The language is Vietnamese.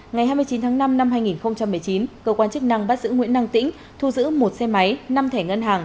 ngày hai mươi chín tháng năm năm hai nghìn một mươi chín cơ quan chức năng bắt giữ nguyễn năng tĩnh thu giữ một xe máy năm thẻ ngân hàng